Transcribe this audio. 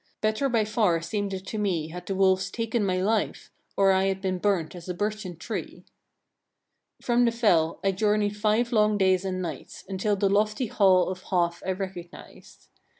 Better by far it seemed to me had the wolves taken my life, or I had been burnt as a birchen tree. 13. From the fell I journeyed five long days and nights, until the lofty hall of Half I recognized.